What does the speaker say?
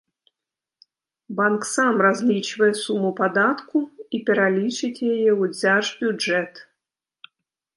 Банк сам разлічвае суму падатку і пералічыць яе ў дзяржбюджэт.